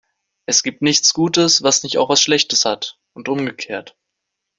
Es gibt nichts Gutes, was nicht auch was Schlechtes hat, und umgekehrt.